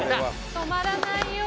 「止まらないよ」